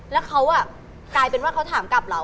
แล้วเขากลายเป็นว่าเขาถามกลับเรา